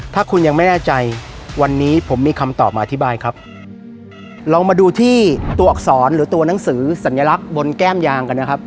ถ้าคุณยังไม่แน่ใจวันนี้ผมมีคำตอบมาอธิบายครับลองมาดูที่ตัวอักษรหรือตัวหนังสือสัญลักษณ์บนแก้มยางกันนะครับ